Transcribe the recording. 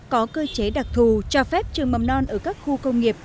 có cơ chế đặc thù cho phép trường mầm non ở các khu công nghiệp